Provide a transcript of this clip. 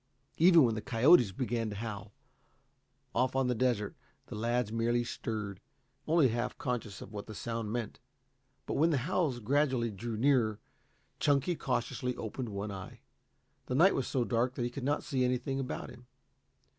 Even when the coyotes began to howl, off on the desert, the lads merely stirred, only half conscious of what the sound meant. But when the howls gradually drew nearer, Chunky cautiously opened one eye. The night was so dark that he could not see anything about him.